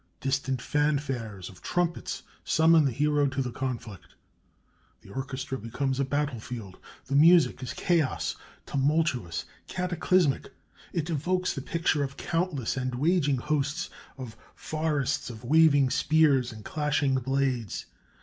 Distant fanfares of trumpets summon the Hero to the conflict. The orchestra becomes a battle field; the music is chaos tumultuous, cataclysmic: "it evokes the picture of countless and waging hosts, of forests of waving spears and clashing blades.